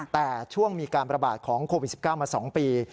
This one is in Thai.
แต่ช่วงมีการประบาดของโควิด๑๙มา๒ปี